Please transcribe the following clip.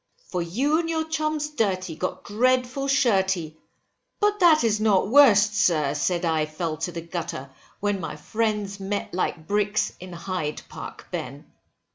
For you and your chums dirty, got dreadful shirty, but that is not worst, sir, said I fell to the gutter, when my friends met like bricks in Hyde Park, Ben.